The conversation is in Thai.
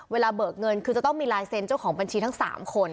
เบิกเงินคือจะต้องมีลายเซ็นต์เจ้าของบัญชีทั้ง๓คน